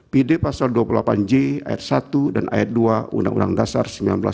pd pasal dua puluh delapan j ayat satu dan ayat dua undang undang dasar seribu sembilan ratus empat puluh lima